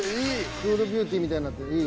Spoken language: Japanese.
クールビューティーみたいになってるいい。